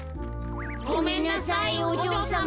ごめんなさいおじょうさま。